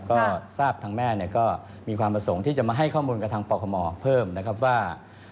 ก็ทราบทางแม่เนี่ยก็มีความประสงค์ที่จะมาให้ข้อมูลกับทางปคมเพิ่มนะครับว่า